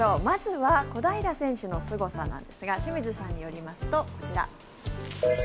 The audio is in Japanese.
まずは小平選手のすごさですが清水さんによりますとこちら。